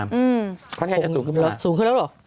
ค่อนข้างจะสูงขึ้นมาสูงขึ้นแล้วหรือ